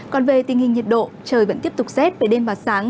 còn về tình hình nhiệt độ trời vẫn tiếp tục rét về đêm và sáng